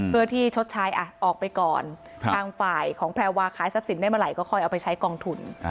เพื่อที่ชดใช้ออกไปก่อนทางฝ่ายของแพรวาขายทรัพย์สินได้เมื่อไหร่ก็ค่อยเอาไปใช้กองทุน